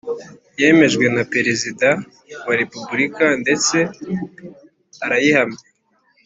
Yemejwe na Perezida wa Repubulika ndetse arayihamya